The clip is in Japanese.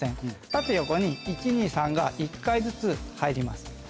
縦横に１２３が１回ずつ入ります。